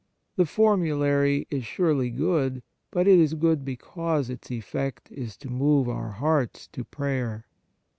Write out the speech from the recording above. The formulary is surely good, but it is good because its effect is to move our hearts to prayer.